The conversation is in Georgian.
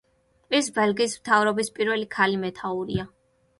ის ბელგიის მთავრობის პირველი ქალი მეთაურია.